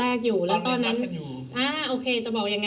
เธออยากให้ชี้แจ่งความจริง